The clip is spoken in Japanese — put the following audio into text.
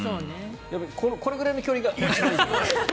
これぐらいの距離が一番いいんですね。